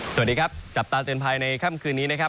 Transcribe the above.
สวัสดีครับจับตาเตือนภัยในค่ำคืนนี้นะครับ